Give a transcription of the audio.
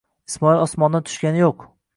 Ismoil osmondan tushgani yo'q.